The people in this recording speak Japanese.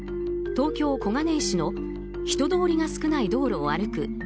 東京・小金井市の人通りが少ない道路を歩く